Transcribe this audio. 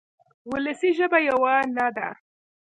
وولسي ژبه یوه نه ده.